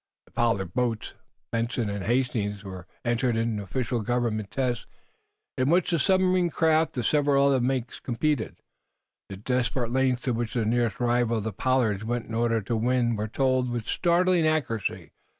The Pollard boats, "Benson" and "Hastings" were entered in official government tests in which the submarine craft of several other makes competed. The desperate lengths to which the nearest rival of the Pollards went in order to win were told with startling accuracy.